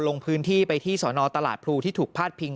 ลงพื้นที่ไปที่สนตลาดพลูที่ถูกพาดพิง